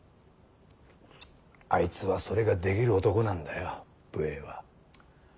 あいつはそれができる男なんだよ武衛は。